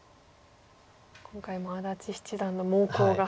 今回も安達七段の猛攻が。